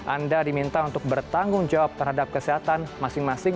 anda diminta untuk bertanggung jawab terhadap kesehatan masing masing